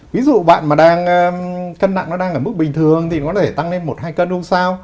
ví dụ bạn mà cân nặng đang ở mức bình thường thì có thể tăng lên một hai cân không sao